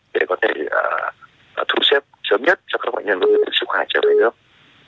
để có thể thu xếp sớm nhất cho các bệnh nhân với sức khỏe trở về